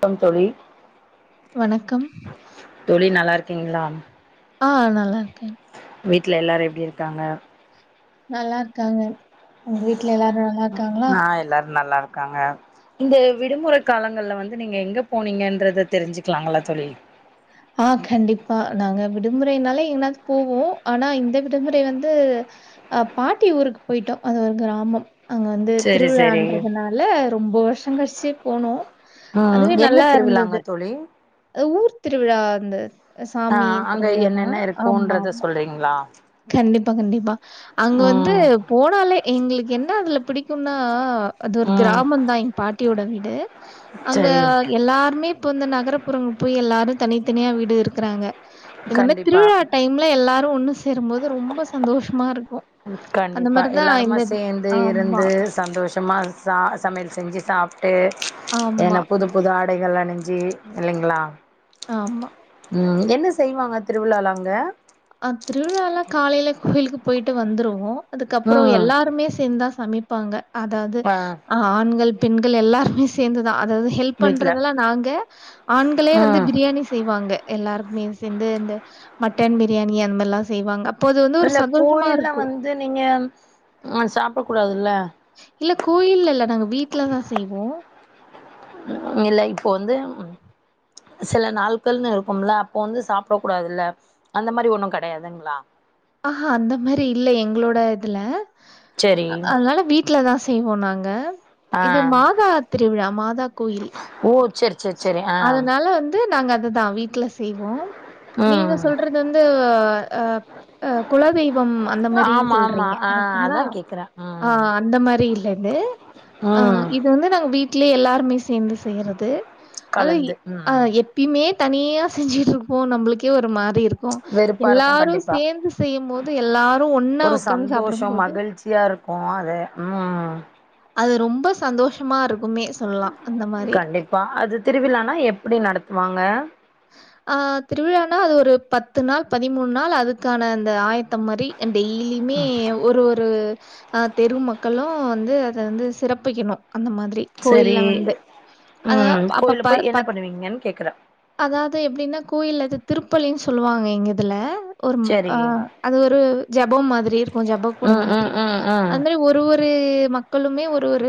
Come தோழி வணக்கம் தோழி நல்லா இருக்கீங்களா ஆ நல்லா இருக்க வீட்ல எல்லாரும் எப்டி இருக்காங்க நல்லா இருக்காங்க உங்க வீட்ல எல்லாரும் நல்லா இருக்காங்களா ஆ எல்லாரும் நல்லா இருக்காங்க இந்த விடுமுற காலங்கள்ல வந்து நீங்க எங்க போனீங்கன்றத தெரிஞ்சுக்கலாங்களா தோழி ஆ கண்டிப்பா நாங்க விடுமுறைனாலே எங்கனாது போவோம் ஆனா இந்த விடுமுறை வந்து அ பாட்டி ஊருக்கு போயிட்டோ அது ஒரு கிராமம் அங்க வந்து செரி செரி திருவிழான்றதுனால ரொம்ப வருஷம் கழிச்சு போனோம் ம் அதுவே என்ன நல்லா திருவிழாங்க இருந்தது தோழி அ ஊர் திருவிழா இந்த சாமி திருவிழா தா ஆமா ஆமா அப்டிங்களா கண்டிப்பா கண்டிப்பா அங்க வந்து போனாலே எங்களுக்கு என்ன அதுல பிடி க்குன்னா அது ஒரு ம் கிராமம் தா எங் பாட்டியோட வீடு அங்க சரி எல்லாருமே இப்போ இந்த நகர்புறங் போய் எல்லாரும் தனித்தனியா வீடு இருக்குறாங்க இந்த மாரி கண்டிப்பா திருவிழா டைம்ல எல்லாரும் ஒண்ணு சேரும்போது து ரொம்ப சந்தோஷமா இருக்கும் அந்த கண்டிப்பா மேரிதா எல்லாருமா இந்த சேந்து ஆம்மா இருந்து சந்தோஷமா சா சமையல் செஞ்சு சாப்ட்டு ஆமா, என புது புது ஆடைகள் அணிஞ்சு இல்லிங்களா ஆமா ம் என்ன செய்வாங்க திருவிழால அங்க அ திருவிழால காலயில கோவிலுக்கு போயிட்டு வந்துருவோம் அதுக்கப்றம் ம் எல்லாருமே சேந்தா சமைப்பாங்க அதாது ஆ ஆண்கள் பெண்கள் எல்லாருமே சேந்துதா அதாது ஹெல்ப் வீட்ல பண்றதெல்லா நாங்க ஆண்களே வந்து ம் பிரியாணி செய்வாங்க எல்லாருக்குமே சேந்து இந்த மட்டன் பிரியாணி அந்த மாரிலாம் செய்வாங்க ப்போது வந்து ஒரு சந்தோஷமா இருக்கும் ந்து நீங்க சாப்பிட கூடாதுல்ல இல்ல கோயில்ல இல்ல நாங்க வீட்ல தான் செய்வோம் இல்ல இப்போ வந்து சில நாள்கள்னு இருக்கும்ல அப்போ வந்து சாப்ட கூடாதுல்ல அந்த மாரி ஒண்ணும் கெடையாதுங்ளா அ அ அந்த மேரி இல்ல எங்ளோட இதுல செரி அதனால வீட் ட்ல தா செய்வோம்னாங்க ஆ இது மாதா திருவிழா மாதா கோயில் ஓ செரி செரி செரி ஆ அதனால ந்து நாங்க அதுதா வீட்ல செய்வோம் நீங்க ம் சொல்றது வந்து அ அ குலதெய்வம் அந்த மாரி ஆமா ஆமா சொல்றீங்க ஆ அதா கரெக்டுங்களா கேக்குறே ஆ ம் அந்த மாரி இல்ல இது அ ம் இ து வந்து நாங்க வீட்லயே எல்லாருமே சேந்து செய்யறது அதும் எ கலந்து ம் எட் ப்பியுமே தனியா செஞ்சுட்டு இருப்போம் நம்ளுக்கே ஒரு மாரி இருக்கும் வெறுப்பா இருக்கு எல்லாரும் கண்டிப்பா சேந்து செய்யும் போது எல்லாரும் ஒன்னா ஒக்காந்து சாப்டும் போது ளிர்ச்சியா இருக்கும் அது ம் அது ரொம்ப சந்தோஷமா இருக்குமே சொல்லா அந்த மாரி ப்ப அது திருவிழானா எப்டி நடத்துவாங்க ஆ திருவிழானா அது ஒரு பத்து நாள் பதிமூணு நாள் அதுக்கான அந்த ஆ ய்த்தம் மாரி டெய்லியுமே ஒரு ஒரு அ தெரு மக்களும் வந்து அத வந்து சிறப்பிக்கணும் அந்த மாதிரி சரி கோயில்ல வந்து அத அப்ப ப ப ங்கேன்னு கேக்குறேன் அதாது எப்டின்னா கோயில்ல அது திருப்பலின்னு சொல்லுவாங்க எங்க இதுல ஒரு சரி அ அது ஒரு ஜெபம் மாதிரி இருக்கும் ஜெபம் கூட ம் ம் மாதிரி ம் ம் அந்த மாரி ஒ ரு ஒரு மக்களுமே ஒரு ஒரு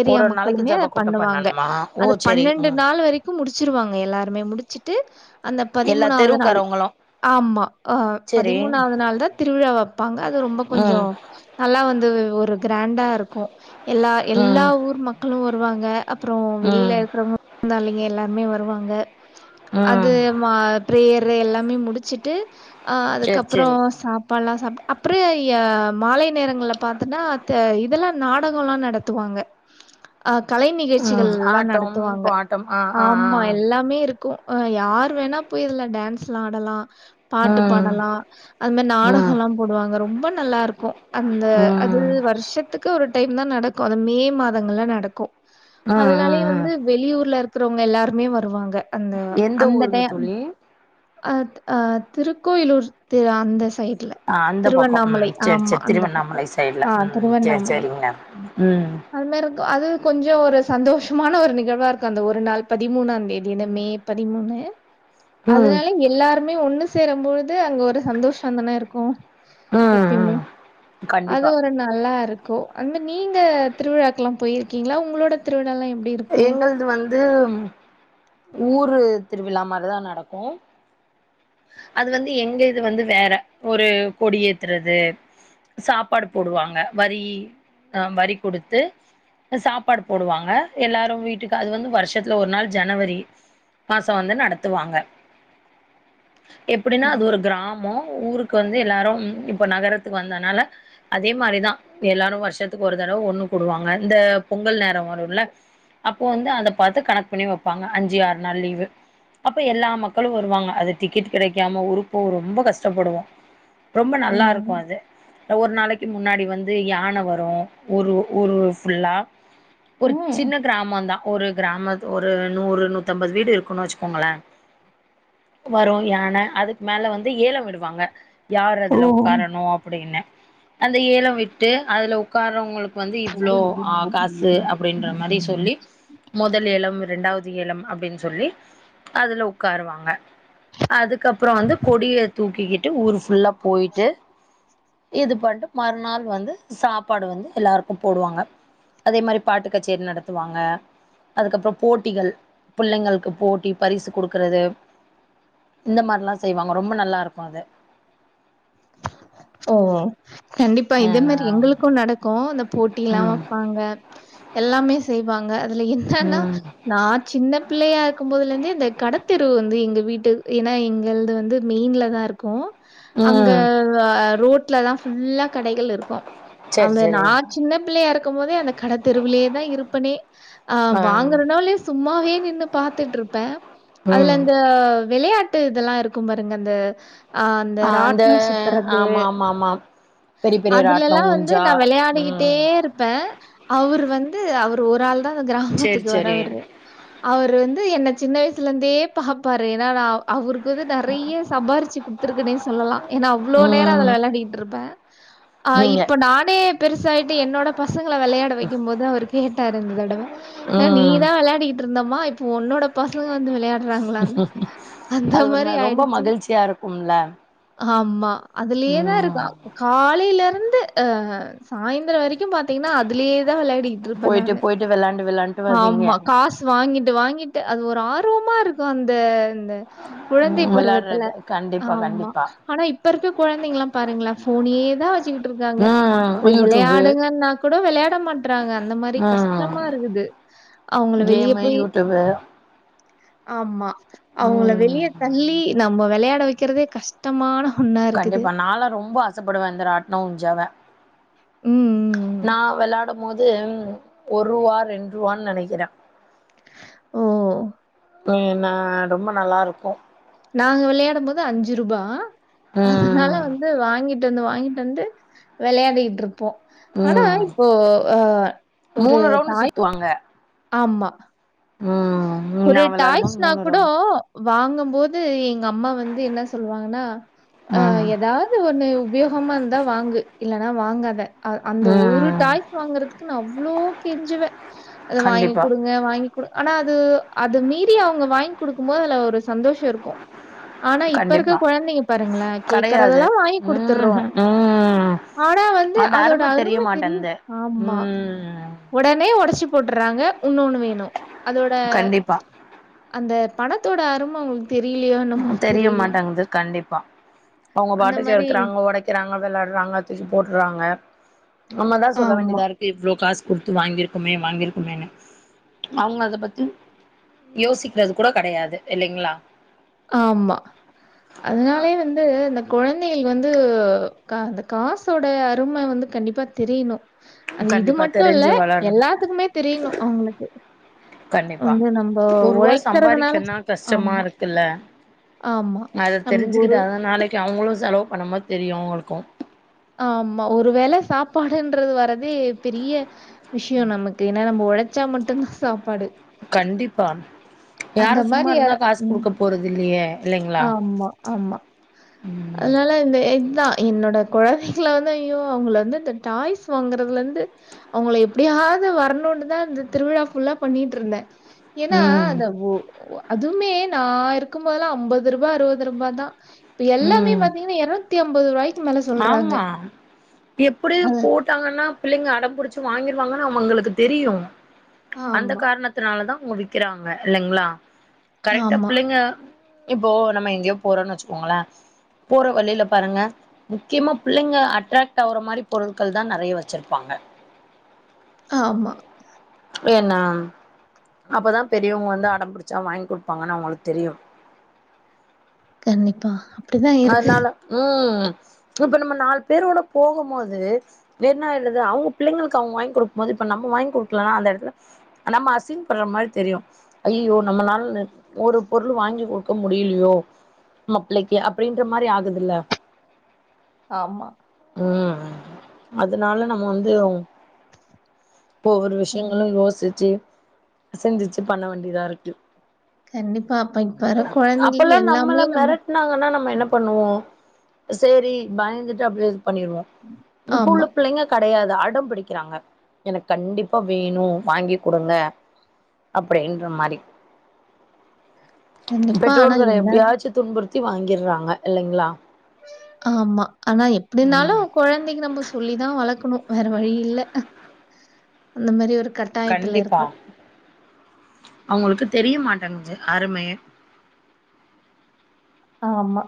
ஏரியா ஒரு ஒரு நாளைக்கு மக்களுமே ஜப அத கூட்டம் பண்ணுவாங்க பண்ணணுமா ஓ அத சரி பன்னெண்டு ம் நாள் வரிக் க்கு முடிச்சிருவாங்க எல்லாருமே முடிச்சுட்டு அந்த எல்லா பதிமூணாது நாள் தெருவுக்காரவங்களு ஆமா அ சரி பதிமூணாவது நாள் தான் திருவிழா வைப்பாங்க அது ரொம்ப ம் கொஞ்சம் நல்லா வந்து ஒரு க்ராண்டா இருக்கும் எல்லா எல்லா ம் ஊர் மக்களும் வருவாங்க அப்புறம் ம் வெளியில இருக்கிறவங்க விருந்தாளிங்க எல்லாருமே வருவாங்க அது ம் மா பிரேயர் எல்லாமே முடிச்சுட்டு அ சரி அதுக்கப்றோ சரி சாப் பால்லாம் சாப் அப்ற மாலை நேரங்கள்ல பாத்தன்னா த இதெல்லாம் நாடகோ ல்லாம் நடத்துவாங்க அ கலை ம் நிகழ்ச்சிகள்லாம் ஆட்டம் நடத்துவாங்க. பாட்டம் ஆ ஆ ஆ கோ யார் வேணா போய் இதுல டான்ஸ்லா ஆடலா பாட்டு ம் பாடலா அத் மாரி ம் நாடகம்ல்லா போடுவாங்க ரொம்ப நல்லாருக்கும் அந்த அது ம் வர்ஷத்துக் க்கு ஒரு டைம் தா நடக்கோ அந்த மே மாதங்கள்ல நடக்கோ ம் ம் அதனாலயே ம் வந்து வெளியூர்ல இருக்குறவங்க எல்லாருமே வருவாங்க அந்த எந்த அந்த ஊருங்க டைம் தோழி அ அ திருக்கோயிலூர் திரு அந்த சைட் ல ஆ அந்த பக்கோ திருவண்ணாமலை ம் சேரி ஆமா சேரி அந்த பக்கோ திருவண்ணாமலை சைடுல ஆ ம் சேரி திருவண்ணாமலை சேரிங்க ம் அது மார்ருக்கோ அது கொஞ்சோ ஒரு சந்தோஷ்மான ஒரு நிகழ்வா இருக்கோ அந்த ஒரு நாள் பதிமூணாந்தேதி இந்த மே பதிமூணு ம் அதனால எ எல்லாருமே ஒண்ணு சேரம் பொழுது அங்க ஒரு சந்தோஷ தானே இருக்கும் ம் எப்பியுமே ம் அது கண்டிப்பா ஒரு நல்லாருக்கோ அந்மாரி நீங்க திருவிழாக்ல்லா போய்ருக்கிங்ளா உங்ளோட திருவிழால்லா எப் எங்கள்து வந்து ஊரு திருவிழா மாரிதா நடக்கும் அது வந்து எங்க இது வந்து வேற ஒரு கொடி ஏத்துறது சாப்பாடு போடுவாங்க வரி அ வரி குடுத்து சாப்பாடு போடுவாங்க எல்லாரு வீட்டுக்கு அது வந்து வர்ஷ்ஷத்ல ஒரு நாள் ஜனவரி மாசோ வந்து நடத்துவாங்க எப்புடின்னா அது ம். ஒரு கிராமோ ஊருக் கு வந்து எல்லாரு இப்ப நகரத்துக்கு வந்தனால அதே மாரிதா எல்லாரு வர்ஷ்ஷத்துக் ஒரு தடவ ஒண்ணு கூடுவாங்க இந்த பொங்கல் நேரோ வரும்ல அப்போ வந்து அதை பாத்து கணக் பண்ணி வெப்பாங்க அஞ்சு ஆறு நாள் லீவு அப்ப எல்லா மக்களு வருவாங்க அது டிக்கெட் கெடைக்காம ஊர்க்கு போவ ரொம்ப கஷ்டப்படுவோ ரொம்ப நல்லாருக்கும் ம். அது ஒர் நாளைக்கு முன்னாடி வந்து யான வரும் ஒரு ஊரு ஃபுல்லா ஒரு ம். சின்ன கிராமோந்தா ஒரு கிராமத் ஒரு நூறு நூத்தம்பது வீடு இருக்குன் வெச்சுக்கோங்ளே வரும் யான அதுக்கு மேல வந்து ஏலோ விடுவாங்க யார் ஓ! அதுல உக்காரணு அப்புடீன்னு அந்த ஏலோ விட்டு அதுல உக்காரவங்ளுக் வந்து இவ்ளோ அ காசு அப்டின்ற மாரி சொல்லி மொதல் எ லம் ரெண்டாவது ஏலம் அப்டின்னு சொல்லி அதுல உக்காருவாங்க அதுக் கப்றோ வந்து கொடிய தூக்கிக்கிட்டு ஊர் ஃபுல்லா போய்ட்டு இது பான்ட்டு மறுநாள் வந்து சாப்பாடு வந்து எல்லார்க்கு போடுவாங்க அதே மாரி பாட்டுக் கச்சேரி நடத்துவாங்க அதுக்கப்றோ போட்டிகள் பிள்ளைங்கள்க்கு போட்டி பரிசு குடுக்கறது இந்த மார்லா செய்வாங்க ரொம்ப நல்லாருக்கும் அது ஒ ஓ கண்டிப்பா இதே மேரி ஆ எங்களுக்கோ நடக்கும் இந்த போட்டி எல்லா ம் வெப்பாங்க எல்லாமே செய்வாங்க அதுல என்னன்னா ம் நா சின்ன பிள்ளையா இருக்கும்போதுலர்ந்தே இந்த கடத்தேருவு வந்து எங்க வீட்டு ஏன்னா எங்கள்து வந்து மெயின்ல தா இருன்ச் ருக்கும் அங்க ம் ஆ ரோட்ல தா ஃபுல்லா கடைகள் இருக்கோ சரி அங்க நா சரி சின்ன பிள்ளையா இருக்கும் போதே அந்த கட தெருவுலே தா இருப்பனே ஆ வாங்குறனோ இல்லயோ சும்மாவே நின்னு பாத்துட்டுருப்பே அதுல ம் இந்த விளையாட்டு இதெல்லா இருக்கும் பாருங்க அந்த ஆ அந்த ராட் னோ சுத்தறது ஆமா ஆமா ஆமா பெரிய பெரிய ராட்னோ அதுலல்லா வந்து ஊஞ்சா நா வெளயாடிக்கிட்டே ம் இருப்பே அவரு வந்து அவரு ஒரு ஆள் தா அந்த சேரி கிராமத்துக்கு சேரி வர்றவர்ரு அவரு வந்து என்ன சின்ன வய்ஸ்லந்தே பாப்பாரு ஏனா நா அவுருக்கு வந்து நெறய சம்பாரிச்சு குடுத்துருக்கனே சொல்லா ஏனா அவ்ளோ நேரோ ம் அதுல வெளாடிகிட்ருப்பே ஆ நீங்க இப்போ நானே பெருசாய்ட்டு என்னோட பசங்ள வெளையாட வைக்கும்போது அவரு கேட்டாரு இந்த தடவ இதலா ம் நீதா விளாடிகிட்ருந்தம்மா இப்பு ஒன்னோட பசங்க வந்து விளையாடுறாங்ளான்னு அந்த அது ஒரு மாறி ந ரொம்ப ஆய்டுச்சு மகிழ்ச்சியா இருக்கும்ல ஆமா அதுலியேதா ம் இருக்கான் காலைல இருந்து ஆ சாய்ந்திரோ வரைக்கு பாத் தீங்னா அதுலியேதா விளையாடிகிட்ருப்ப போயிட்டு நானு போயிட்டு வெளாண்டு வெளாண்ட்டு வருவீங்க ஆமா காசு வாங்கிட்டு வாங்கிட்டு அது ஒரு ஆர்வமா இருக்கு அந்த அந்த குழந்தை ம் பருவத்துல வெளாட்றது கண்டிப்பா ஆமா கண்டிப்பா ஆனா இப்ப இருக்குற கொழந்தைங்லா பாருங்ள ஃபோனேதா வச்சுக்கிட்ருக்காங்க ம் போய் யூடியூபு விளையாடுங்கன்னா கூட விளையாட மாட்றாங்க அந்த மாரி ம் கஷ்டமா இருக்குது அவுங்குள வெளிய கேமு போய் யூடியூபு ஆமா அவுங்குள வெளிய ம் தள்ளி நம்ம வெளையாட வைக்கிறதே கஷ் டமான ஒன்னா இருக்குது நாளா ரொம்பா ஆசப்படுவ இந்த ராட்னம் ஊஞ்சாவ ம், ம், ம். நா வெளாடமோது ஒரூவா ரெண்ட்ரூவான் நெனைக்கிற ஓ மெய்னா ரொம்ப நல்லா இருக்கு நாங்க விளையாடும்போது அஞ்சு ருபா அதுனால ம். வந்து வாங்கிட்டு வந்து வாங்கிட்டு வந்து வெளையாடிகிட்ருப்போ ஆனா ம். இப்போ ஆ ஒரு ரவுண்டு டாய் சுத்துவாங்க ஆமா ம் ஒரு நான் வெளாடும்போது டாய்ஸ்னா கூடோ ரவுண்டு. வாங்கும் போது எங்க அம்மா வந்து என்ன சொல்லுவாங்கனா ஆ ம். எதாது ஒன்னு உபயோகமா இருந்தா வாங்கு இல்லனா வாங்காத அ அந்த ஒரு ம். டாய்ஸ் வாங்குறதுக்கு நா அவ்ளோ கெஞ்சுவ அத வாங்கி கண்டிப்பா, குடுங்க வாங்கி குடு ஆனா அது அது மீறி அவ்ங்க வாய்ங் குடுக்குமோது அதுல ஒரு சந்தோஷோ இருக்கு ஆனா இப்ப இருக்க கண்டிப்பா. குழந்தைங்க பாருங்ள கெடையாது. கேக்குறதெலா வாங்கி குடுத்துர்றோ ம்ஹ்ம். ம். ஆனா வந்து அந்த அதோட தெரிய அரும தெரி மாட்டேன்து. ஆமா ம். ஒடனே ஒடச்சி போட்றாங்க உன்னொன்னு வேணு அ தோட கண்டிப்பா. அந்த பணத்தோட அரும அவுங்ளுக் தெரிலியோ என்னமோ தெரியில அது கண்டிப்பா அவ்ங்க பாட்டுக்கு மாரி எடுக்குறாங்க ஒடைக்கிறாங்க விளாடுறாங்க தூக்கி போட்டுறாங்க நம்மதா சொல்ல ஆமா, வேண்டிதா இரு க்கு இவ்ளோ காஸ் குடுத்து வாங்கிருக்குமே வாங்கிருக்குமேன்னு அவ்ங்க அத பத்தி யோசிக்றது கூடோ கெடையாது இல்லைங்ளா ஆமா அதுனாலே வந்து இந்த குழந்தைகள் வந்து கா அந்த காசோட அரும வந்து கண்டிப்பா தெரியணு அது இது கண்டிப்பா மட்டு இல்ல தெரிஞ்சு வளரணு எல்லாத்துக்குமே தெரியணு அவுங்ளுக்கு கண்டிப்பா ஒருவா உழைக்கிறதுனால சம்பாரிக்கனா கஷ்டமா ஆமா, இருக்குல்ல ஆமா. அத நமக்கு ஒரு தெரிஞ்சுக்கிட்டாதா நாளைக்கு அவுங்குளு செலவு பண்ணமோது தெரியு அவுங்குளுக்கு ஆமா ஒரு வேல சாப்பாடுன்றது வர தே பெரிய விஷியோ நமக்கு ஏனா நம்ம ஒழச்சா மட்டுந்தான் சாப்பாடு கண்டிப்பா அந்த யாரு சும்மா மாரி அ இருந்தா காஸ் ம். குடுக்க போறதில்லயே இல்லைங்ளா ஆமா ஆமா அதுனால இந்த இதுதான் என்னோட குழந்தைக வந்து ஐயோ அவங்க வந்து இந்த டாய்ஸ் வாங்கறதுலருந்து அவுங்கள எப்டியாவது வரணுன்னுதா அந்த திருவிழா ஃபுல்லா பண்ணிட்டுருந்தே ஏன்னா ம் அந்த ஓ அதுமே நான் இருக்கும்போதல்லாம் ஐம்பது ரூவா அறுவது ரூபா தான் இப்ப எல்லாமே ம் பாத்தீங்கன்னா இருநூத்திஐம்பது ரூபாய்கு மேல சொல்றாங்க. ஆமா எப்டியு போட் ங்கன்னா பிள்ளைங்க அடம்பிடிச்சு வாங்கிருவாங்கன்னு அவுங்களுக்கு தெரியு அந்த ஆமா, காரணத் னால தான் அவுங்க விக்கிறாங்க இல்லைங்ளா கரெக்டா ஆமா, பிள்ளைங்க இப்போ நம்ம எங்கேயோ போறோம்ன்னு வச்சுக்கோங்களேன் போற வழியில பாருங்க முக்கியமா புள்ளைங்க அட்ராக்ட் ஆற மாரி பொருட்கள் தான் நறைய வச்சிருப்பாங்க ஆமா வேன்னாம் அப்போதா பெரியவுங்க வந்து அடம் புடிச்சா வாங்கி குடுப்பாங்கன்னு அவுங்களுக்கு தெரியு கண்டிப்பா அப்படிதான் இருக்கு. அதனால ம் இப்ப நம்ம நாலு பேரோட போகும் போது வேறணா இல்லது அவுங்க பிள்ளைங்களுக்கு அவுங்க வாங்கி குடுக்கும் போது இப்ப நம்ம வாங்கி குடுக்கலன்னா அந்த இடத்துல நம்ம அசிங் பட்ற மாரி தெரியும் ஐயயோ நம்மளால ஒரு பொருள் வாங்கி குடுக்க முடியலையோ நம்ம பிள்ளகி அப்டின்ற மாரி ஆகுதுல்ல ஆமா ம் அதுனால நம்ம வந்து அவுங் ஒவ்வொரு ம். விஷயங்களும் யோசிச்சு சிந்திச்சு பண்ண வேண்டியதா இருக்கு கண்டிப்பா அப்ப இப்ப வர கொழந்தைகளுக்கு எல்லாமே நம்ம திட்னாங்கன்னா நம்ம என்ன பண்ணுவோ சேரி பயந்துட்டு அப்டியே இது பண்ணிருவோ இப்ப ஆமா. உள்ள புள்ளைங்க கெடயாது அடம் பிடிக்கிறாங்க எனக்கு கண்டிப்பா வேணும் வாங்கி குடுங்க அப்டின்ற மாரி கண்டிப்பா. ஆனா பெற்றோர்கள என்ன எப்டியாச்சு துன்புறுத்தி வாங்கிறாங்க இல்லைங்ளா ஆமா ஆனா எப்டினாலு ம் கொழந்தைக் நம்ம சொல்லிதான் வளர்க்கணு வேற வழி இல்ல அந்த மாரி ஒரு கட் கண்டிப்பா அவங்களுக்கு தெரிய மாட்டேங்க்குது அருமே ஆமா